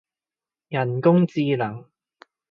人工智能